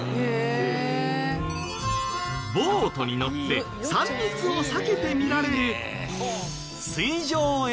ボートに乗って三密を避けて見られる。